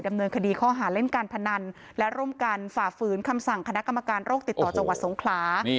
ดำเนินคดีข้อหาเล่นการพนันและร่วมกันฝ่าฝืนคำสั่งคณะกรรมการโรคติดต่อจังหวัดสงขลา